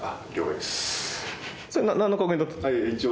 一応。